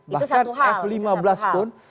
bahkan f lima belas pun